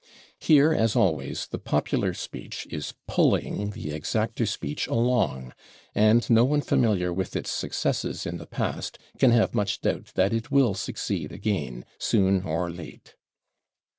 Here, as always, the popular speech is pulling the exacter speech along, and no one familiar with its successes in the past can have much doubt that it will succeed again, soon or late.